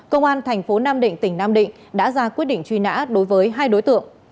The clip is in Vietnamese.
công an tp nam định tỉnh nam định đã ra quyết định truy nã đối với hai đối tượng